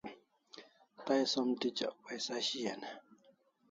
Tay som tichak paisa shian e?